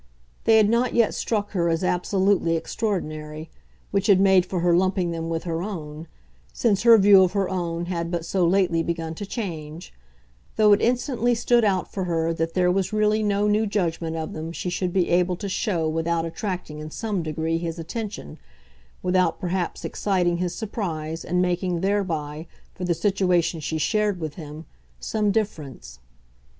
They had not yet struck her as absolutely extraordinary which had made for her lumping them with her own, since her view of her own had but so lately begun to change; though it instantly stood out for her that there was really no new judgment of them she should be able to show without attracting in some degree his attention, without perhaps exciting his surprise and making thereby, for the situation she shared with him, some difference.